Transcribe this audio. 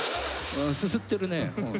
すすってるね。